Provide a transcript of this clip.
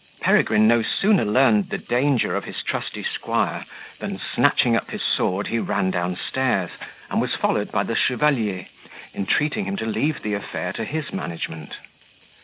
Peregrine no sooner learned the danger of his trusty squire, than, snatching up his sword, he ran down stairs, and was followed by the chevalier, entreating him to leave the affair to his management.